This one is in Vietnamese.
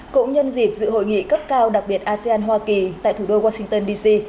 cũng nhân dịp dự hội nghị cấp cao đặc biệt asean hoa kỳ tại thủ đô washington d c